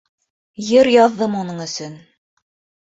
Йыр яҙҙым уның өсөн.